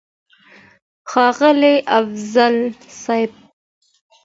ښاغلی افضل صيب!!